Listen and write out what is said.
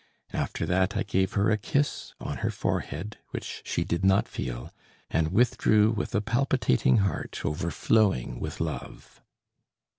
After that I gave her a kiss on her forehead, which she did not feel, and withdrew with a palpitating heart, overflowing with love.